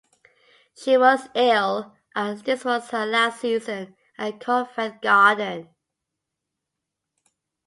She was ill and this was her last season at Covent Garden.